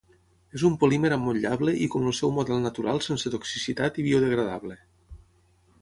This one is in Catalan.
És un polímer emmotllable i com el seu model natural sense toxicitat i biodegradable.